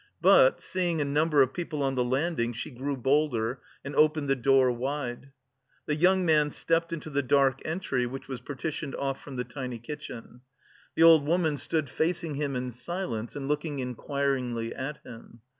But, seeing a number of people on the landing, she grew bolder, and opened the door wide. The young man stepped into the dark entry, which was partitioned off from the tiny kitchen. The old woman stood facing him in silence and looking inquiringly at him.